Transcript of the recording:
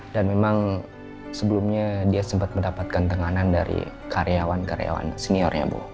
memang sebelumnya dia sempat mendapatkan tenganan dari karyawan karyawan seniornya bu